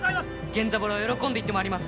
源三郎喜んで行ってまいります。